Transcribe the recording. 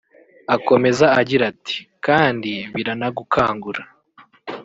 Akomeza agira ati “ Kandi biranagukangura